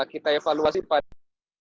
kita evaluasi pada